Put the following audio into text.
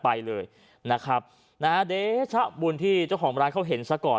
ไปเลยนะครับนะฮะเดชะบุญที่เจ้าของร้านเขาเห็นซะก่อน